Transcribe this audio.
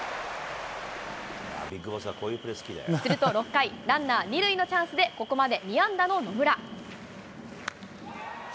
すると６回、ランナー２塁のチャンスで、ここまで２安打の野村。